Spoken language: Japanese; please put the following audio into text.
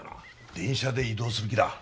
電車で移動する気だ。